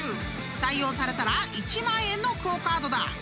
［採用されたら１万円のＱＵＯカードだ］